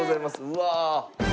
うわ。